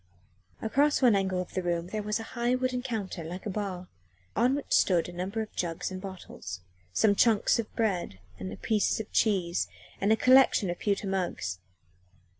Across one angle of the room there was a high wooden counter like a bar, on which stood a number of jugs and bottles, some chunks of bread and pieces of cheese, and a collection of pewter mugs.